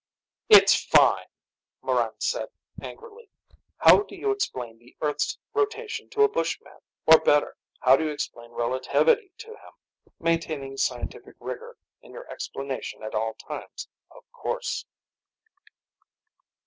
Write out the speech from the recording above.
"It's fine," Morran said angrily. "How do you explain the earth's rotation to a bushman? Or better, how do you explain relativity to him maintaining scientific rigor in your explanation at all times, of course."